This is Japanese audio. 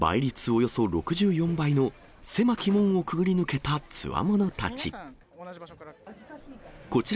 およそ６４倍の狭き門をくぐり抜けたつわものたち。